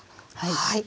はい。